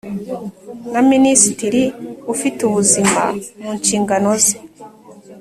Na minisitiri ufite ubuzima mu nshingano ze